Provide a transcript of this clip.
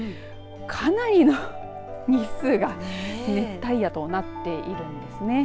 かなりの日数が熱帯夜となっているんですね。